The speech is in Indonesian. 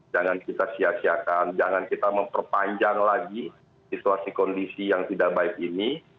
jangan kita sia siakan jangan kita memperpanjang lagi situasi kondisi yang tidak baik ini